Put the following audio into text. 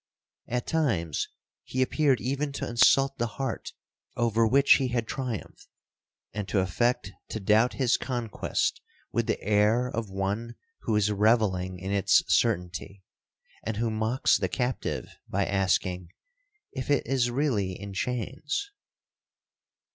'At times he appeared even to insult the heart over which he had triumphed, and to affect to doubt his conquest with the air of one who is revelling in its certainty, and who mocks the captive by asking 'if it is really in chains?'